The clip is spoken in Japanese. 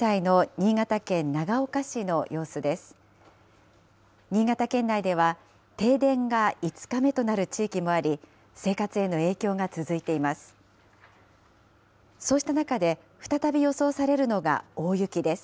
新潟県内では停電が５日目となる地域もあり、生活への影響が続いています。